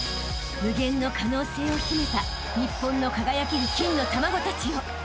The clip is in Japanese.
［無限の可能性を秘めた日本の輝ける金の卵たちよ］